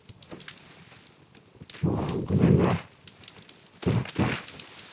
今日はごめんな行けなくて